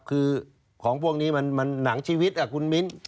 คือของพวกนี้มันหนังชีวิตคุณมิ้น